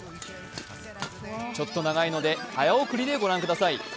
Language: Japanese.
ちょっと長いので早送りでご覧ください。